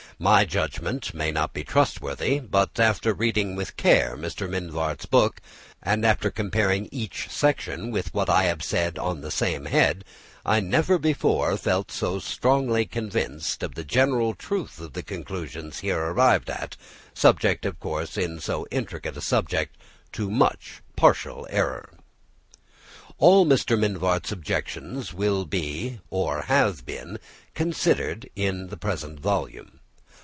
My judgment may not be trustworthy, but after reading with care Mr. Mivart's book, and comparing each section with what I have said on the same head, I never before felt so strongly convinced of the general truth of the conclusions here arrived at, subject, of course, in so intricate a subject, to much partial error. All Mr. Mivart's objections will be, or have been, considered in the present volume.